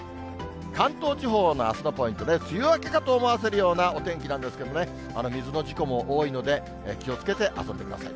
関東地方のあすのポイントです、梅雨明けかと思わせるようなお天気なんですけどね、水の事故も多いので、気をつけて遊んでください。